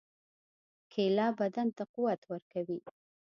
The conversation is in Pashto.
کېله بدن ته قوت ورکوي.